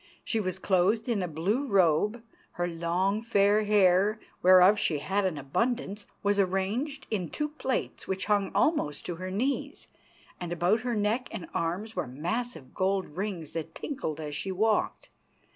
She was clothed in a blue robe, her long fair hair, whereof she had an abundance, was arranged in two plaits which hung almost to her knees, and about her neck and arms were massive gold rings that tinkled as she walked.